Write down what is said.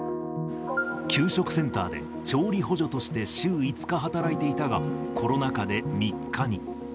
給食センターで調理補助として週５日働いていたが、コロナ禍で３日に。